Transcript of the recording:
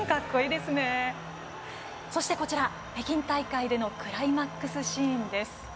そして、北京大会でのクライマックスシーンです。